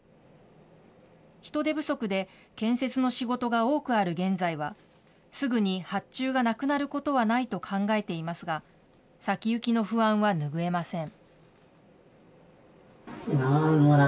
人手不足で、建設の仕事が多くある現在は、すぐに発注がなくなることはないと考えていますが、先行きの不安は拭えません。